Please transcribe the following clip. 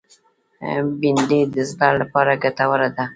بېنډۍ د زړه لپاره ګټوره ده